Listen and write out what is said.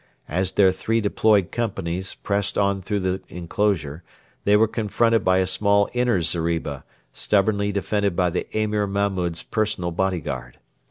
As their three deployed companies pressed on through the enclosure, they were confronted by a small inner zeriba stubbornly defended by the Emir Mahmud's personal bodyguard.